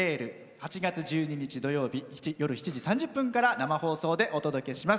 ８月１２日土曜日夜７時３０分から生放送でお届けします。